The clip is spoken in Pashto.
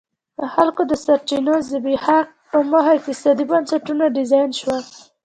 د خلکو د سرچینو زبېښاک په موخه اقتصادي بنسټونه ډیزاین شول.